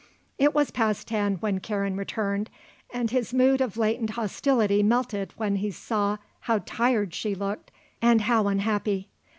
It was past ten when Karen returned and his mood of latent hostility melted when he saw how tired she looked and how unhappy.